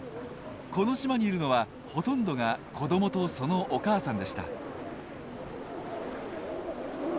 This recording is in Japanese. この島にいるのはほとんどが子どもとそのお母さんでした。